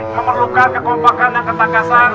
memerlukan kekompakan dan ketangkasan